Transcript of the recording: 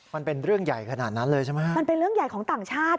มันเป็นเรื่องใหญ่ขนาดนั้นเลยใช่ไหมฮะมันเป็นเรื่องใหญ่ของต่างชาติ